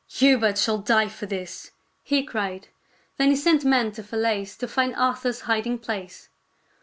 " Hubert shall die for this !" he cried. Then he sent men to Falaise to find Arthur's hiding place.